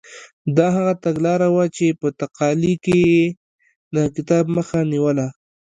دا هغه تګلاره وه چې په تقالي کې یې د کتاب مخه نیوله.